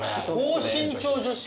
高身長女子？